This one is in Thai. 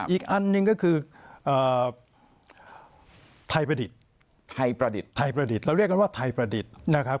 อีกอันนึงก็คือไทยประดิษฐ์เราเรียกกันว่าไทยประดิษฐ์นะครับ